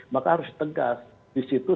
maka harus tegas disitu